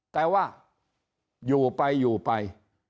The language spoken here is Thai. แต่ว่าอยู่ไปอยู่ไป